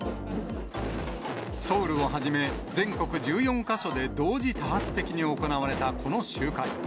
ソウルをはじめ、全国１４か所で同時多発的に行われたこの集会。